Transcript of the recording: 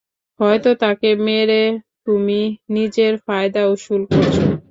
হয়ত তাকে মেরে তুমি নিজের ফায়দা উশুল করছো?